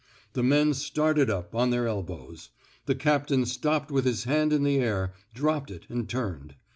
The men started up, on their elbows. The captain stopped with his hand in the air, dropped it and turned.